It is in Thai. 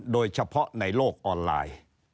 โดยเฉพาะในโลกออนไลน์